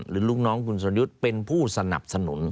ลูกน้องคุณสรยุทธ์เป็นผู้สนับสนุน